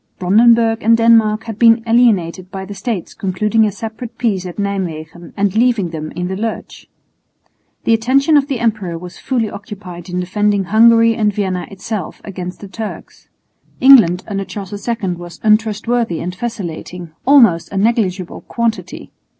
Brandenburg and Denmark had been alienated by the States concluding a separate peace at Nijmwegen and leaving them in the lurch. The attention of the emperor was fully occupied in defending Hungary and Vienna itself against the Turks. England under Charles II was untrustworthy and vacillating, almost a negligible quantity.